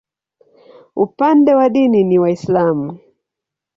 Upande wa dini ni Waislamu.